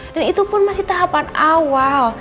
dan itu pun masih tahapan awal